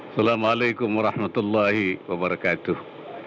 assalamualaikum warahmatullahi wabarakatuh